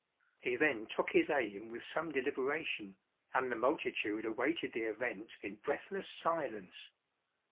He then took his aim with some deliberation, and the multitude awaited the event in breathless silence.